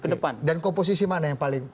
ke depan dan komposisi mana yang paling